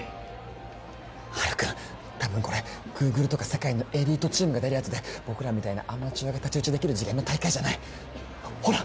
ハル君たぶんこれグーグルとか世界のエリートチームが出るやつで僕らみたいなアマチュアが太刀打ちできる次元の大会じゃないほら